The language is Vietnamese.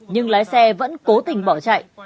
nhưng lái xe vẫn cố tình bỏ chạy